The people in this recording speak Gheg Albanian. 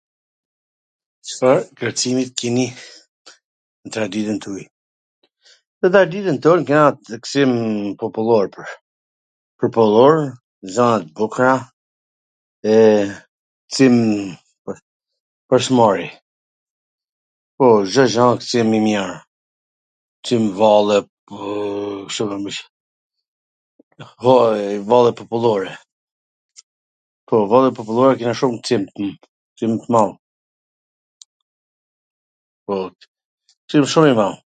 Cfar kwrcimi kini nw traditwn tuj? Nw traditwn ton kena kcim popullor, popullor, gjana t bukra, eee, kcim pwr s mari, po Cdo gja kcim i mir, kcim valle... ka e valle popullore, po valle popullore kena shum kcim, kcim t madh, po, kcim shum i madh.